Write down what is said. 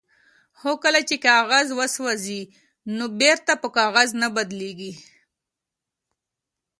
هو کله چې کاغذ وسوځي نو بیرته په کاغذ نه بدلیږي